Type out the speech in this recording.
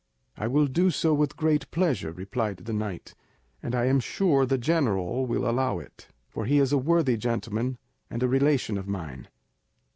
"I will do so with great pleasure," replied the knight, "and I am sure the general will allow it, for he is a worthy gentleman and a relation of mine."